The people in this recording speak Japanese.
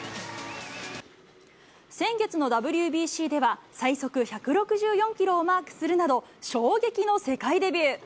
先月のＷＢＣでは、最速１６４キロをマークするなど、衝撃の世界デビュー。